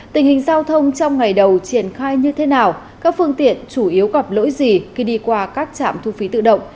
tình hình giao thông trong ngày đầu triển khai như thế nào các phương tiện chủ yếu gặp lỗi gì khi đi qua các trạm thu phí tự động